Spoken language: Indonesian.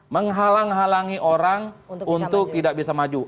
menghalang halangi orang untuk tidak bisa maju